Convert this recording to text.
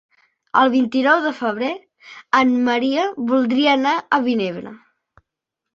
El vint-i-nou de febrer en Maria voldria anar a Vinebre.